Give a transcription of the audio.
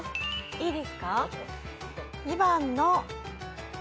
いいですか？